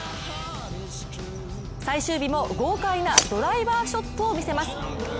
最終日も豪快なドライバーショットをみせます。